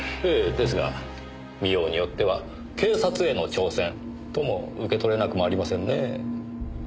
ですが見ようによっては警察への挑戦とも受け取れなくもありませんねぇ。